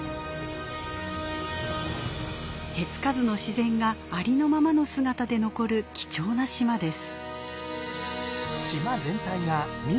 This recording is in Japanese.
手付かずの自然がありのままの姿で残る貴重な島です。